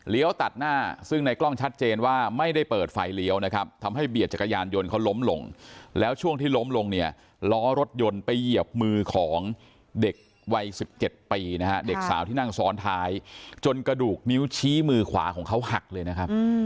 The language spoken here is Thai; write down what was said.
ตัดหน้าซึ่งในกล้องชัดเจนว่าไม่ได้เปิดไฟเลี้ยวนะครับทำให้เบียดจักรยานยนต์เขาล้มลงแล้วช่วงที่ล้มลงเนี่ยล้อรถยนต์ไปเหยียบมือของเด็กวัย๑๗ปีนะฮะเด็กสาวที่นั่งซ้อนท้ายจนกระดูกนิ้วชี้มือขวาของเขาหักเลยนะครับ